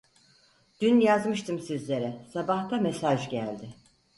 Dün yazmıştım sizlere sabah da mesaj geldi